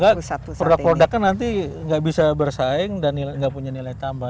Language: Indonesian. kalau nggak produk produk kan nanti nggak bisa bersaing dan nggak punya nilai tambah